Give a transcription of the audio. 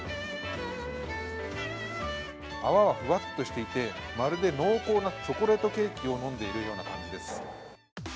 泡はふわっとしていて、まるで濃厚なチョコレートケーキを飲んでいるような感じです。